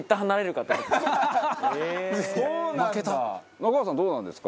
中川さんどうなんですか？